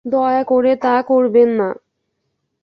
দয়া করে তা করবেন না।